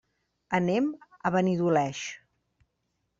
Anem a Benidoleig.